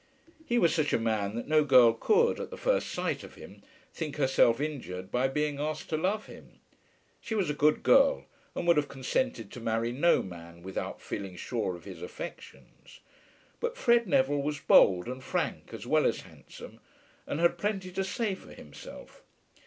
He was such a man that no girl could, at the first sight of him, think herself injured by being asked to love him. She was a good girl, and would have consented to marry no man without feeling sure of his affections; but Fred Neville was bold and frank as well as handsome, and had plenty to say for himself.